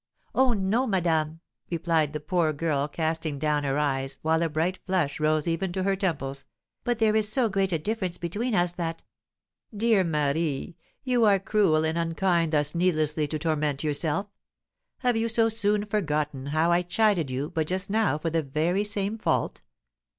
"Oh, no, madame!" replied the poor girl, casting down her eyes, while a bright flush rose even to her temples; "but there is so great a difference between us that " "Dear Marie! you are cruel and unkind thus needlessly to torment yourself. Have you so soon forgotten how I chided you but just now for the very same fault?